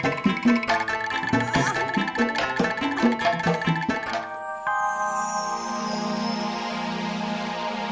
gak punya sim